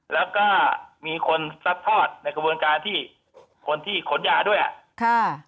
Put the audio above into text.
แล้วก็มีคนซัดทอดในกระบวนการที่คนที่ขนยาด้วยอ่ะค่ะ